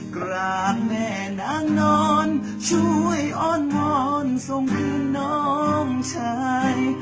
กราบแม่นางนอนช่วยอ้อนวอนส่งพี่น้องชาย